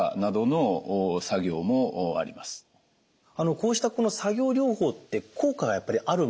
こうしたこの作業療法って効果はやっぱりあるもの高いんですか？